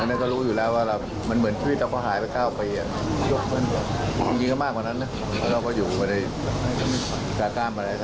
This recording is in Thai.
เธอก็รู้ว่าเข้ามาอย่างไรสถาการณ์เป็นอย่างไร